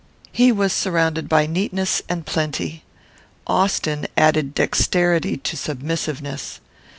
He was surrounded by neatness and plenty. Austin added dexterity to submissiveness.